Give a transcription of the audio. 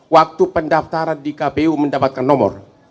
waktu pendaftaran di kpu mendapatkan nomor